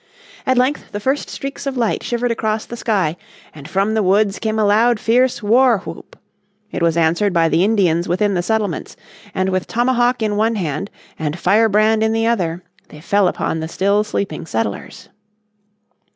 At length the first streaks of light shivered across the sky, and from the woods came a loud fierce war whoop. It was answered by the Indians within the settlements, and with tomahawk in one hand and firebrand in the other they fell upon the still sleeping settlers.